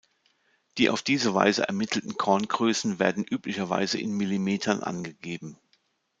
Die auf diese Weise ermittelten Korngrößen werden üblicherweise in Millimetern angegeben.